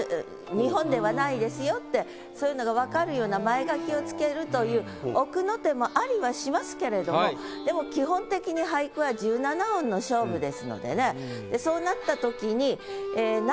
日本ではないですよってそういうのが分かるような前書きを付けるという奥の手もありはしますけれどもでも基本的に俳句は１７音の勝負ですのでね